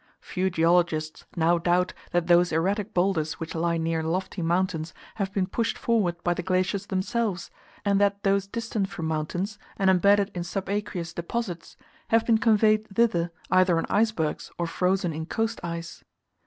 Few geologists now doubt that those erratic boulders which lie near lofty mountains have been pushed forward by the glaciers themselves, and that those distant from mountains, and embedded in subaqueous deposits, have been conveyed thither either on icebergs or frozen in coast ice.